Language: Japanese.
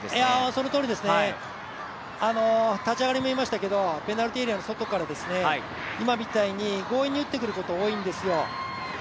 そのとおりですね、立ち上がりにも言いましたけれども、ペナルティーエリアの外から強引に打ってくること多いんですよ。